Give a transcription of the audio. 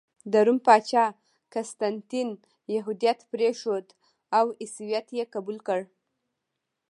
د روم پاچا قسطنطین یهودیت پرېښود او عیسویت یې قبول کړ.